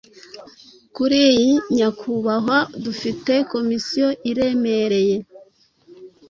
Kuri nyakubahwa dufite komisiyo iremereye